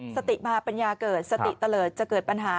สติมาปัญญาเกิดสติเตลิศจะเกิดปัญหา